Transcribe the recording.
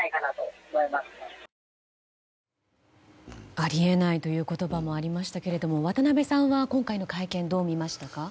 あり得ないという言葉もありましたが渡辺さんは今回の会見をどう見ましたか？